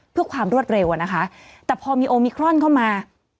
เพื่อความรวดเร็วอะนะคะแต่พอมีโอมิครอนเข้ามา